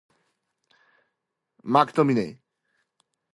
One pupil Jack McCarthy also undertook super A-Levels.